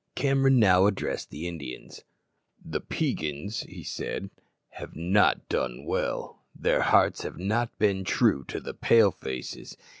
Cameron now addressed the Indians. "The Peigans," he said, "have not done well. Their hearts have not been true to the Pale faces.